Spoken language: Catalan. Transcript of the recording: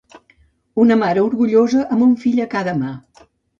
Una mare orgullosa amb un fill a cada mà.